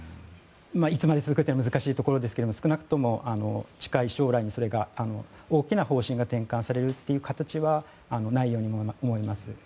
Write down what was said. いつまで続くかというのは難しいところですが少なくとも近い将来にそれが大きな方針が転換されるという形はないように思います。